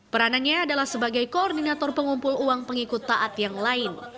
peranannya adalah sebagai koordinator pengumpul uang pengikut taat yang lain